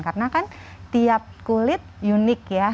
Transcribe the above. karena kan tiap kulit unik ya